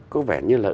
có vẻ như là